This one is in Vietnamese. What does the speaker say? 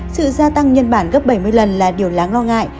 sự gia tăng nhân bản gấp bảy mươi lần là điều đáng lo ngại